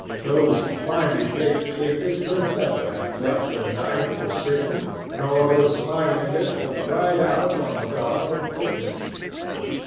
Those finely shaped fingers could never have clutched a knife for sin, nor those smiling lips have cried out on God and goodness.